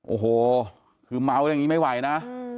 โอ้โหคือเมาแล้วอย่างนี้ไม่ไหวนะ